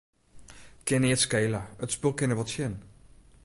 Kin neat skele, it spul kin der wol tsjin.